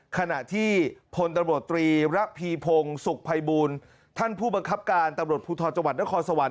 ขณะที่พลตำรวจตรีระพีพงศ์สุขภัยบูลท่านผู้บังคับการตำรวจภูทรจังหวัดนครสวรรค